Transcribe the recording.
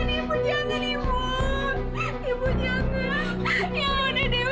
ibu jangan ibu jangan ibu